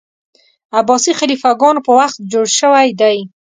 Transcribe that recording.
عباسي خلیفه ګانو په وخت کي جوړ سوی دی.